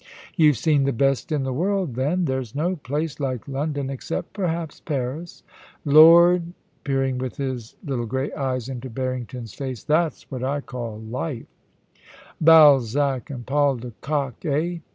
'You've seen the best in the world then. There's no place like London, except perhaps Paris. Lord !' peering with his little grey eyes into Harrington's face, * that's what I call life, Balzac and Paul de Kock, eh